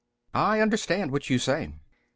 B. I understand what you say. A.